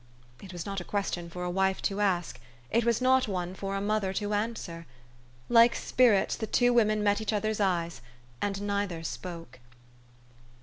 It was not a question for a wife to ask : it was not one for a mother to answer. Like spirits, the two women met each other's eyes, and neither spoke.